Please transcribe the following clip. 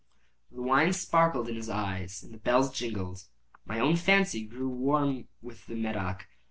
The wine sparkled in his eyes and the bells jingled. My own fancy grew warm with the Medoc.